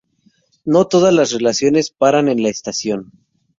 No todas las relaciones paran en la estación.